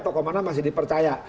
tokoh mana masih dipercaya